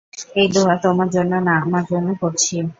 এই দোয়া তোমার জন্য না আমার জন্য করছি।